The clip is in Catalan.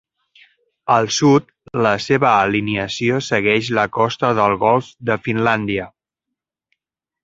Al sud, la seva alineació segueix la costa del golf de Finlàndia.